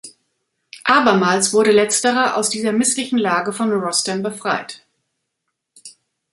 Abermals wurde Letzterer aus dieser misslichen Lage von Rostam befreit.